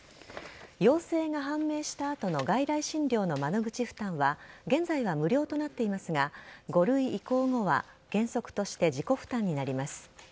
陽性が判明した後の外来診療の窓口負担は現在は無料となっていますが５類移行後は原則として自己負担になります。